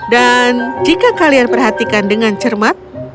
dan jika kalian perhatikan dengan cermat